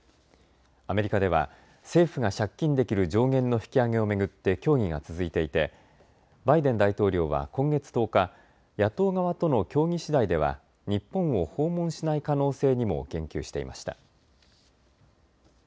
アメリカでは政府が借金できる上限の引き上げを巡って協議が続いていてバイデン大統領は今月１０日、野党側との協議しだいでは日本を訪問しない可能性にも言及していました。